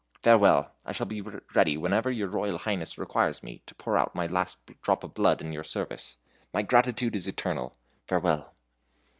Farewell! I shall be ready whenever your Royal Highness requires me, to pour out my last drop of blood in your service. My gratitude is eternal. Farewell!"